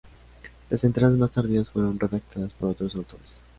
Las entradas más tardías fueron redactadas por otros autores.